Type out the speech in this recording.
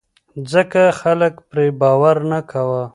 ځکه خلک پرې باور نه کاوه.